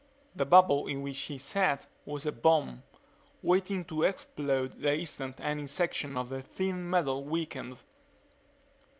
The bubble in which he sat was a bomb, waiting to explode the instant any section of the thin metal weakened.